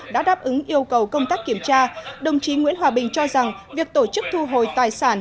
đã đáp ứng yêu cầu công tác kiểm tra đồng chí nguyễn hòa bình cho rằng việc tổ chức thu hồi tài sản